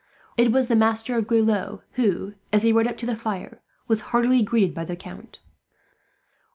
It was the Master of Grelot who, as he rode up to the fire, was heartily greeted by the Count.